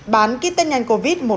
bán từ sau lên tới nhiều